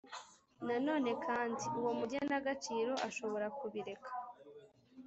na none kandi uwo mugenagaciro ashobobora kubireka